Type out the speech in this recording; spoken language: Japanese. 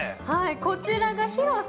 こちらが広さ